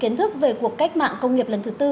tiến thức về cuộc cách mạng công nghiệp lần thứ bốn